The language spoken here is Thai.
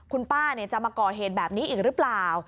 คุณป้าจะมาก่อเหตุแบบนี้อีกหรือเปล่า